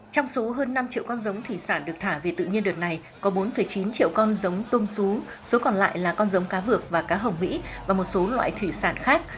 trong số hơn năm triệu con giống thủy sản được thả về tự nhiên đợt này có bốn chín triệu con giống tôm xú số còn lại là con giống cá vược và cá hồng mỹ và một số loại thủy sản khác